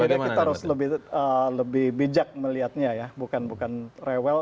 kita harus lebih bijak melihatnya bukan rewel